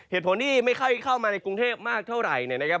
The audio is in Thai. เหตุผลที่ไม่ค่อยเข้ามาในกรุงเทพมากเท่าไหร่เนี่ยนะครับ